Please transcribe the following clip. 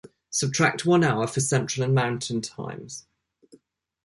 Subtract one hour for Central and Mountain times.